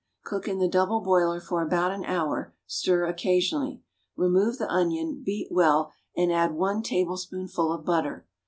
Cook in the double boiler for about an hour; stir occasionally. Remove the onion, beat well, and add one tablespoonful of butter.